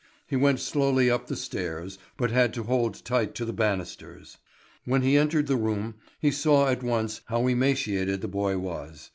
He went slowly up the stairs, but had to hold tight to the banisters. When he entered the room, he saw at once how emaciated the boy was.